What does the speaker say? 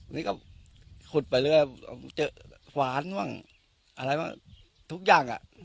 นี้ก็คดไปเรื่อยก็เจอฟานบ้างอะไรังทุกอย่างอ่ะ